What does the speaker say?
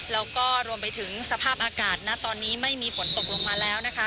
แล้วก็รวมไปถึงสภาพอากาศณตอนนี้ไม่มีฝนตกลงมาแล้วนะคะ